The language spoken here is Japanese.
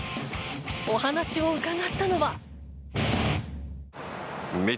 お話を伺ったのは。